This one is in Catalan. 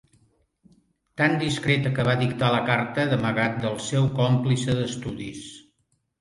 Tan discreta que va dictar la carta d'amagat del seu còmplice d'estudis.